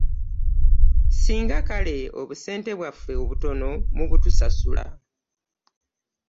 Singa kale obusente bwaffe obutono mubutusasula